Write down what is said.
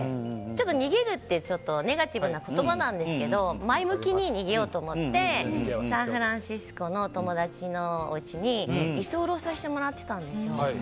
逃げるってネガティブな言葉なんですけど前向きに逃げようと思ってサンフランシスコの友達のおうちに居候させてもらってたんですよ。